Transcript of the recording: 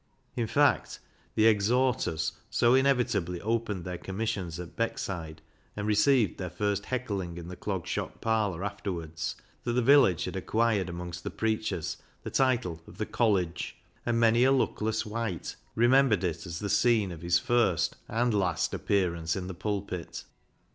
In fact, the " exhorters " so inevitably opened their commissions'at Beckside, and received their first heckling in the Clog Shop parlour afterwards, that the village had acquired amongst the preachers the title of the " College," and many a luckless wight remembered it as the scene of his first and last appearance in the pulpit.